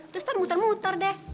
terus ntar muter muter deh